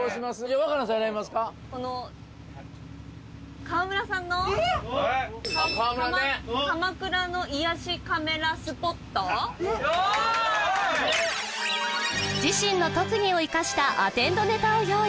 若菜さん選びますか川村さんの鎌倉の癒しカメラスポット自身の特技を生かしたアテンドネタを用意